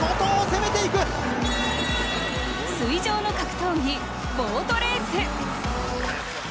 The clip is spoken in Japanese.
水上の格闘技・ボートレース。